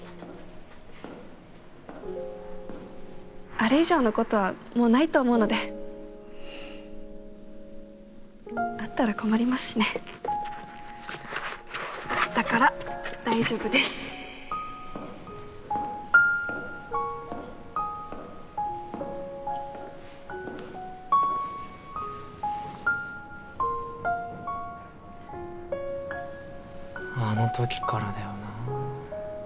あれ以上のことはもうないと思うのであったら困りますしねだから大丈夫ですあの時からだよなぁ。